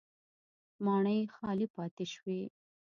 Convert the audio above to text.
ماڼۍ خالي پاتې شوې.